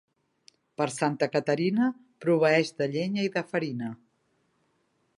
Per Santa Caterina, proveeix de llenya i de farina.